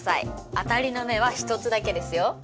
当たりの目は一つだけですよ。